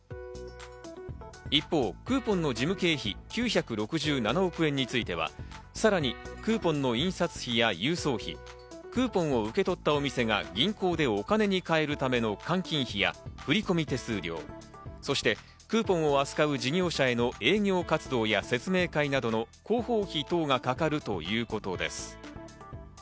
一方、クーポンの事務経費９６７億円については、さらにクーポンの印刷費や輸送費、クーポンを受け取ったお店が銀行でお金に変えるための換金費や振り込み手数料、そしてクーポンを扱う事業者への営業活動や説明会などの広報費等がかかるということです。